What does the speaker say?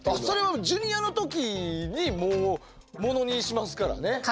それはジュニアの時にもうものにしますからね。